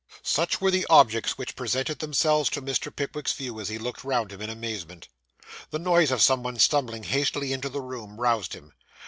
Such were the objects which presented themselves to Mr. Pickwick's view, as he looked round him in amazement. The noise of some one stumbling hastily into the room, roused him.